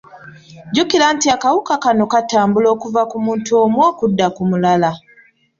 Jjukira nti akawuka kano katambula okuva ku muntu omu okudda ku mulala.